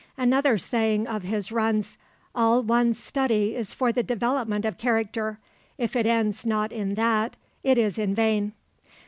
Another saying of his runs, "All one's study is for the development of character; if it ends not in that it is in vain."